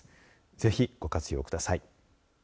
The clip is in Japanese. ぜひ、ご活用ください。